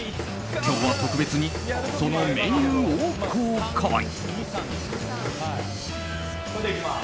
今日は特別にそのメニューを公開。